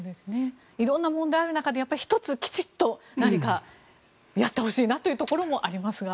色んな問題がある中で１つ、きちんと何かやってほしいなというところもありますが。